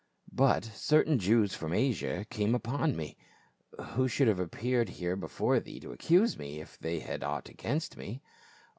But certain Jews from Asia came upon me — who should have appeared here before thee to accuse me, if they had aught against me.